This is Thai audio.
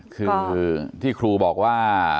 คือที่ครูบอกว่า